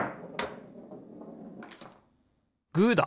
グーだ！